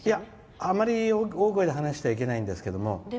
あまり大声で話しちゃいけないんですけども。